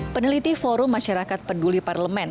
peneliti forum masyarakat peduli parlemen